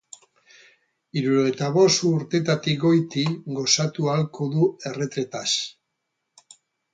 Hirurogeita bost urtetarik goiti gozatu ahalko du erretretaz.